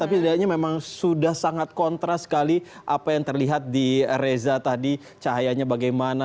tapi setidaknya memang sudah sangat kontra sekali apa yang terlihat di reza tadi cahayanya bagaimana